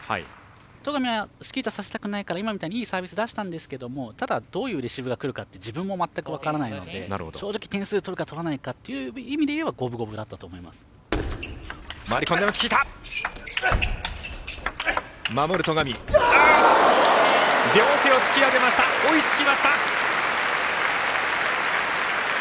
戸上はチキータさせたくないから今みたいにいいサービス出したんですけどただ、どういうレシーブがくるかって自分も分からないので正直、点数取るか取らないかって意味でいえば五分五分だったと思います。